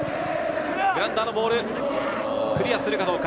グラウンダーのボール、クリアするかどうか。